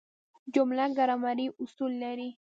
جمله ګرامري اصول لري.